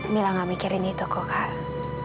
mila nggak mikirin itu kok kak